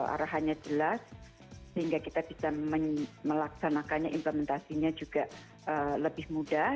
arahannya jelas sehingga kita bisa melaksanakannya implementasinya juga lebih mudah